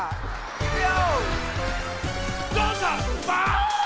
いくよ！